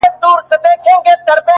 ن و; قاف و; يې و; بې ښايسته تورې;